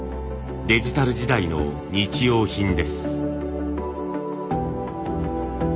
デジタル時代の日用品です。